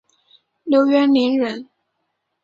刘元霖人。